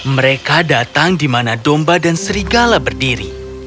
mereka datang di mana domba dan serigala berdiri